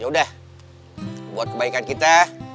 yaudah buat kebaikan kita